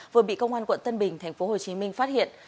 vừa bị công an tp tp tp đà nẵng phát hiện